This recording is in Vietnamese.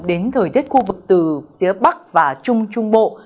đến thời tiết khu vực từ phía bắc và trung trung bộ